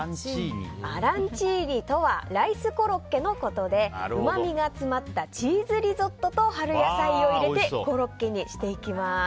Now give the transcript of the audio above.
アランチーニとはライスコロッケのことでうまみが詰まったチーズリゾットと春野菜を入れてコロッケにしていきます。